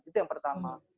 itu yang pertama